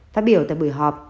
phát biểu tại buổi họp